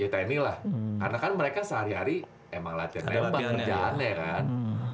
ya tenny lah karena kan mereka sehari hari emang latihan nembak kerjaannya kan